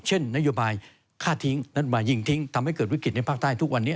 เช่นนโยบายฆ่าทิ้งนั้นมายิงทิ้งทำให้เกิดวิกฤตในภาคใต้ทุกวันนี้